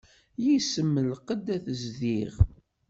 Yis-m lqedd ad t-zdiɣ.